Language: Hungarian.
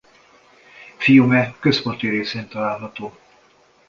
Fiume központi részén található.